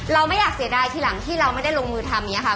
เราไม่อยากเสียดายทีหลังที่เราไม่ได้ลงมือทำอย่างนี้ค่ะ